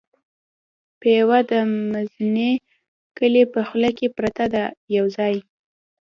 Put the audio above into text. پېوه د مزینې کلي په خوله کې پرته ده یو ځای.